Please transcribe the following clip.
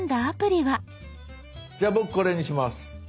じゃあ僕これにします。